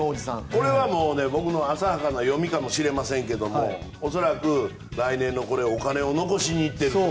これは僕の浅はかな読みかもしれませんが恐らく、来年のお金を残しに行ってる。